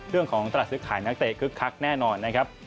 เรื่องของตลาดซื้อขายนักเตะคึกคักแน่นอนนะครับ